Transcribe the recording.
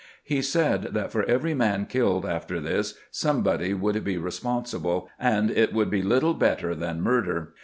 He said that for every man killed after this somebody would be responsible, and it would be little better than murder.